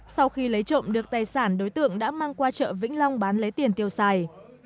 sau khi lấy trộm được tài sản đối tượng đã mang qua chợ vĩnh long bán lấy tiền tiêu xài